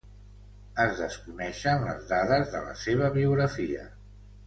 Es desconeixen les dades de la seva biografia.